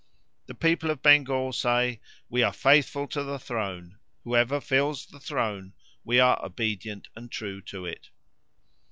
The people of Bengal say, 'We are faithful to the throne; whoever fills the throne we are obedient and true to it.'"